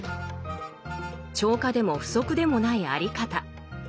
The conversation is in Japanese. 超過でも不足でもないあり方。